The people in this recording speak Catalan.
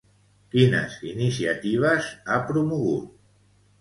Quines iniciatives ha promogut?